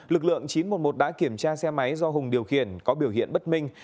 lực lượng chín trăm một mươi một đã kiểm tra xe máy do hùng điều khiển có biểu hiện bất minh